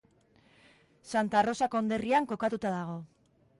Santa Rosa konderrian kokatua dago.